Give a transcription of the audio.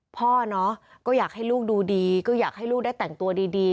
พ่อเนาะก็อยากให้ลูซ์ดูดี